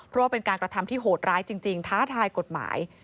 เพราะว่าเป็นการกระทำที่โหดร้ายจริงท้าทายกฎหมาย